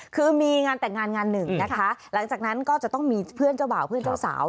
คือมีงานแต่งงานงานหนึ่งนะคะหลังจากนั้นก็จะต้องมีเพื่อนเจ้าบ่าวเพื่อนเจ้าสาว